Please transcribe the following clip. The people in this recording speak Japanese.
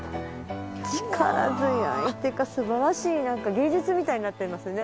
力強いっていうか素晴らしいなんか芸術みたいになってますね。